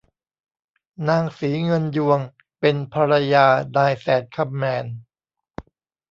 นางศรีเงินยวงเป็นภรรยานายแสนคำแมน